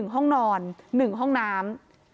๑ห้องนอน๑ห้องน้ำ